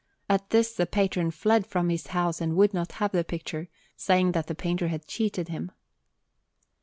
At this the patron fled from his house and would not have the picture, saying that the painter had cheated him.